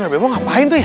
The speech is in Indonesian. tidur bebo ngapain tuh ya